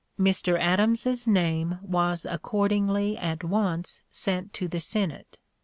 Mr. Adams's name was accordingly at once sent to the Senate.